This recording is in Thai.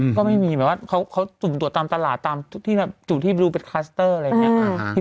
ก็ไม่มีเหมือนว่าเขาสุ่มตรวจตามตลาดตามที่บรูเป็นคลัสเตอร์อะไรอย่างนี้